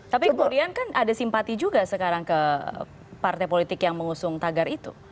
tapi kemudian kan ada simpati juga sekarang ke partai politik yang mengusung tagar itu